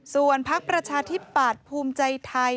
ส่วนพักประชาธิปัตย์ภูมิใจไทย